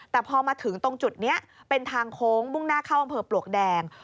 แต่พอมาถึงตรงจุดนี้เป็นทางโค้งมุ่งหน้าเข้าอำเภอปลวกแดง